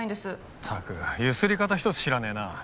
ったくゆすり方一つ知らねえな。